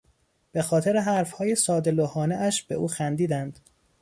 به خاطر حرفهای ساده لوحانهاش به او خندیدند.